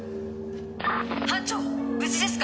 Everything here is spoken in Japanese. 班長無事ですか？